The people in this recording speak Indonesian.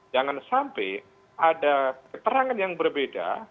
jangan sampai ada keterangan yang berbeda